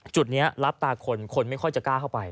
จุดนี้รับตาคนคนไม่ค่อยจะกล้าเข้าไป